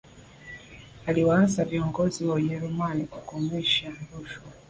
aliwahasa viongozi wa ujerumani kukomesha rushwa